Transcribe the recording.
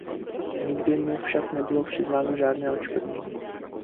Nikdy mu však nebylo přiznáno žádné odškodnění.